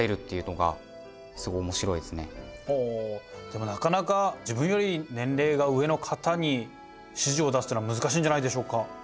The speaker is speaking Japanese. でもなかなか自分より年齢が上の方に指示を出すっていうのは難しいんじゃないでしょうか？